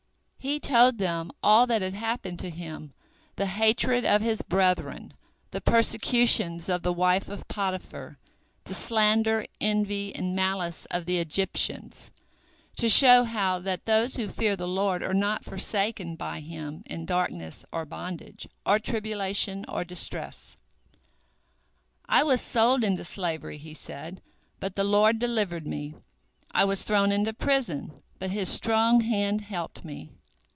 He told them all that had happened to him, the hatred of his brethren, the persecutions of the wife of Potiphar, the slander, envy, and malice of the Egyptians, to show how that those who fear the Lord are not forsaken by Him in darkness, or bondage, or tribulation, or distress. "I was sold into slavery," he said, "but the Lord delivered me; I was thrown into prison, but His strong hand helped me.